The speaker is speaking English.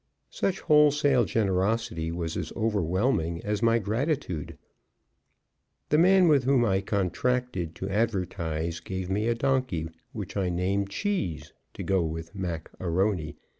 Such wholesale generosity was as overwhelming as my gratitude. The man with whom I contracted to advertise gave me a donkey, which I named Cheese, to go with Mac A'Rony.